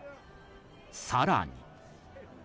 更に。